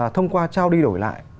thông qua trao đi đổi lại